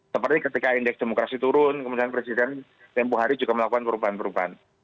seperti ketika indeks demokrasi turun kemudian presiden tempuh hari juga melakukan perubahan perubahan